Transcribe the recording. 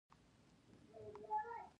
د اوړي بارانونو فصلونه تباه کړل.